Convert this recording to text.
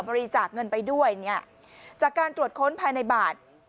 บริจาคเงินไปด้วยเนี่ยจากการตรวจค้นภายในบาท